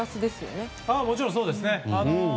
もちろんそうですね。